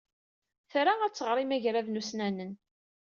Tra ad tɣer imagraden ussnanen.